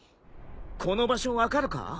この場所分かるか？